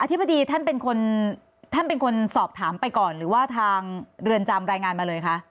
ธิบดีท่านเป็นคนท่านเป็นคนสอบถามไปก่อนหรือว่าทางเรือนจำรายงานมาเลยคะ